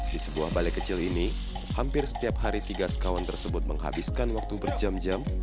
di sebuah balai kecil ini hampir setiap hari tiga sekawan tersebut menghabiskan waktu berjam jam